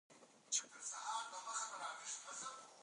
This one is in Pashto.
دوی به خپل لوړ نوم ساتي.